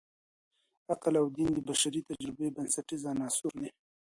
عقل او دین د بشري تجربې بنسټیز عناصر دي.